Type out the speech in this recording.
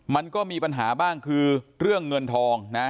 มันก็มีปัญหาบ้างคือเรื่องเงินทองนะ